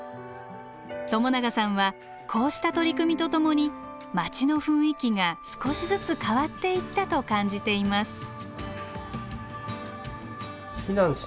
友永さんはこうした取り組みとともに町の雰囲気が少しずつ変わっていったと感じています。